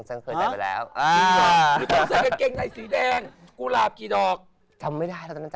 จังเกิดได้ไปแล้ว